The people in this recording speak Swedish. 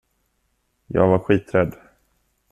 Jag var skiträdd!